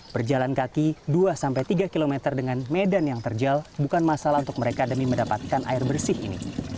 berjalan kaki dua sampai tiga kilometer dengan medan yang terjal bukan masalah untuk mereka demi mendapatkan air bersih ini